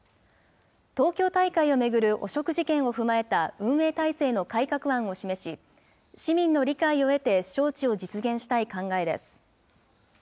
東京大会を巡る汚職事件を踏まえた運営体制の改革案を示し、市民の理解を得て招致を実現したい考えです。